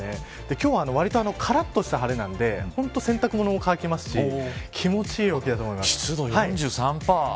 今日はわりとからっとした晴れなんで本当に洗濯物も乾きますし気持ちいい陽気だと思います。